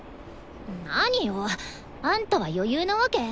何よあんたは余裕なわけ？